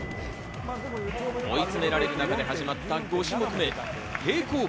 追い詰められる中で始まった５種目め、平行棒。